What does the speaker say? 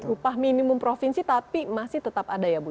upah minimum provinsi tapi masih tetap ada ya bu